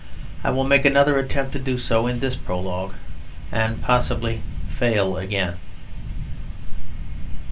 I will make another attempt to do so in this prologue, and, possibly fail again.